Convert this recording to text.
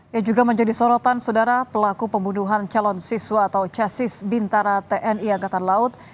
yang juga menjadi sorotan saudara pelaku pembunuhan calon siswa atau casis bintara tni angkatan laut